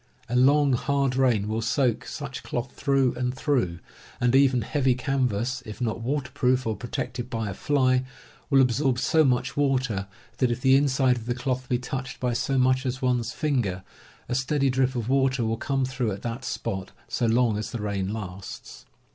A long, hard rain will soak such cloth through and through, and even heavy can vas, if not waterproofed or protected by a fly, will ab sorb so much water that if the inside of the cloth be touched by so much as one's finger a steady drip of water will come through at that spot so long as the rain lasts.